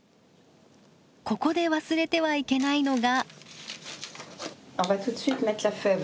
ここで忘れてはいけないのが。